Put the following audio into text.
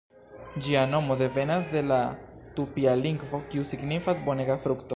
Ĝia nomo devenas el la tupia lingvo kiu signifas "bonega frukto".